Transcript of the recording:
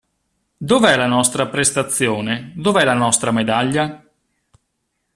Dov'è la nostra prestazione, dov'è la nostra medaglia?